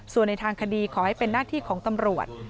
ส่วนในทางคดีขอให้เป็นหน้าที่ของตำรวจ